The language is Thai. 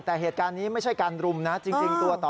แต่เหตุการณ์นี้ไม่ใช่การรุมนะจริงตัวต่อ